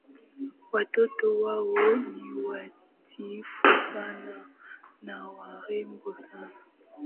Watoto wao ni watiifu sana na warembo sana